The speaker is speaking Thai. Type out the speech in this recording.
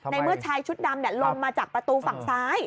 เมื่อชายชุดดำลงมาจากประตูฝั่งซ้าย